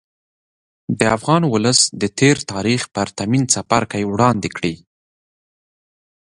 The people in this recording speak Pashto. د افغان ولس د تېر تاریخ پرتمین څپرکی وړاندې کړي.